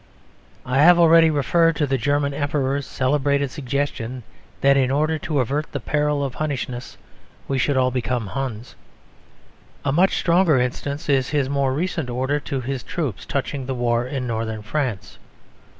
I have already referred to the German Emperor's celebrated suggestion that in order to avert the peril of Hunnishness we should all become Huns. A much stronger instance is his more recent order to his troops touching the war in Northern France.